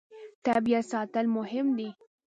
طبیعت ساتل مهم دي.